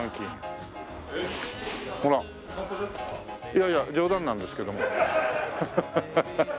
いやいや冗談なんですけども。